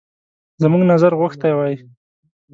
زموږ نظر غوښتی وای.